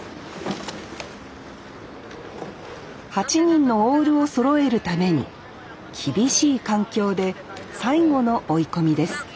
８人のオールをそろえるために厳しい環境で最後の追い込みです